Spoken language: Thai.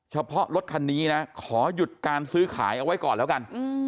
เฉพาะรถคันนี้นะขอหยุดการซื้อขายเอาไว้ก่อนแล้วกัน